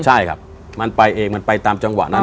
ใช่ครับมันไปเองมันไปตามจังหวะนั้น